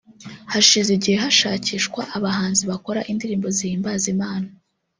Hashize igihe hashakishwa abahanzi bakora indirimbo zihimbaza Imana